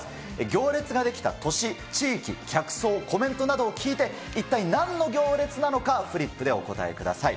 行列が出来た年、地域、客層、コメントなどを聞いて、一体なんの行列なのか、フリップでお答えください。